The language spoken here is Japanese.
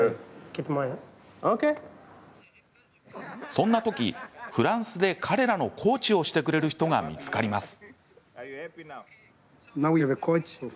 そんな時、フランスで彼らのコーチをしてくれる人が見つかります。